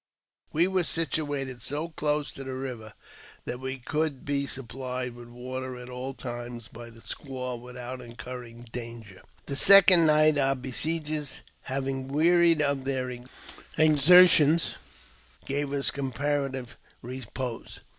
We were situated so close to the river that we could be supplied witk^ water at all times by the squaw without incurring danger. ]l The second night, our besiegers, having wearied of their > exertions, gave us comparative repose.